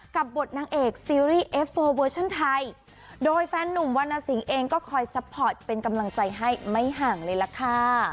กับบทนางเอกซีรีส์เอฟเฟอร์เวอร์ชั่นไทยโดยแฟนหนุ่มวรรณสิงห์เองก็คอยซัพพอร์ตเป็นกำลังใจให้ไม่ห่างเลยล่ะค่ะ